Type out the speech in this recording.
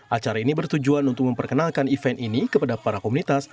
acara ini bertujuan untuk memperkenalkan event ini kepada para komunitas